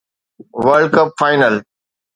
world cup final